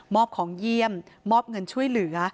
อบของเยี่ยมมอบเงินช่วยเหลือ